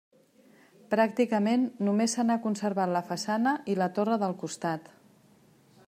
Pràcticament només se n'ha conservat la façana i la torre del costat.